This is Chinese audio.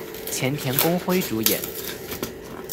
前田公辉主演。